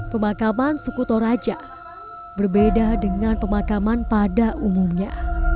pemakaman suku toraja berbeda dengan pemakaman pada umumnya